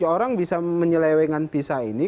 orang bisa menyelewengan pisa ini